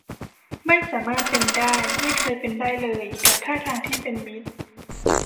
ไม่สามารถเป็นได้ ไม่เคยเป็นได้เลยกับท่าทางที่เป็นมิตร